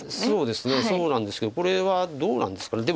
そうですねそうなんですけどこれはどうなんですか。